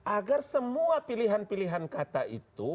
agar semua pilihan pilihan kata itu